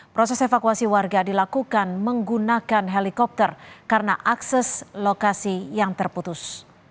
proses evakuasi warga dilakukan menggunakan helikopter karena akses lokasi yang terputus